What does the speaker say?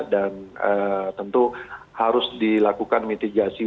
dan tentu harus dilakukan mitigasi